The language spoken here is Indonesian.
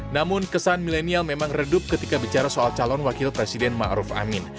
namun kesan milenial memang redup ketika bicara soal calon wakil presiden ma'ruf amin